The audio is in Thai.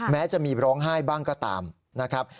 แม้จะมีร้องไห้บ้างก็ตามนะครับ